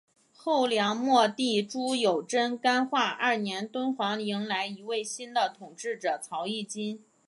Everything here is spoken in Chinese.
后梁末帝朱友贞干化二年敦煌迎来一位新的统治者曹议金。